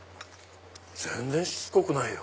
全然しつこくないよ。